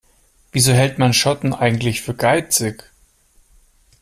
Wieso hält man Schotten eigentlich für geizig?